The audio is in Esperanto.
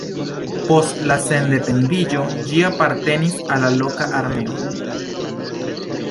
Post la sendependiĝo ĝi apartenis al la loka armeo.